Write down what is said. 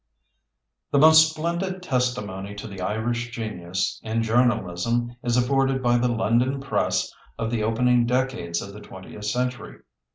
The most splendid testimony to the Irish genius in journalism is afforded by the London press of the opening decades of the twentieth century.